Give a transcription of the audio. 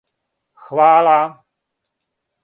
Хвала!